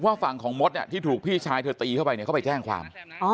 ว่าฝั่งของมดที่ผีชายเธอตีเข้าไปเขาก็ไปแจ้งความ